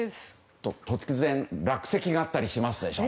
突然、落石があったりしますね。